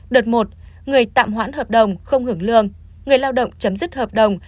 đợt một người tạm hoãn hợp đồng không hưởng lương người lao động chấm dứt hợp đồng